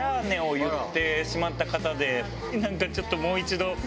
なんかちょっともう一度。